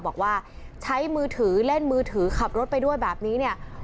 บอกว่าใช้มือถือเล่นมือถือขับรถไปด้วยแบบนี้เนี่ย